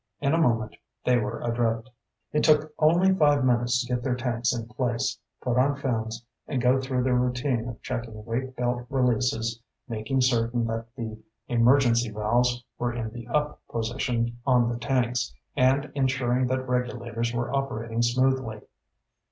In a moment they were adrift. It took only five minutes to get their tanks in place, put on fins, and go through their routine of checking weight belt releases, making certain that the emergency valves were in the "up" position on the tanks, and ensuring that regulators were operating smoothly.